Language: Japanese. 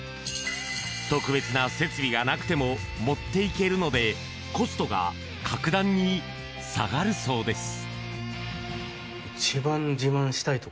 特別な設備がなくても持っていけるのでコストが格段に下がるそうです。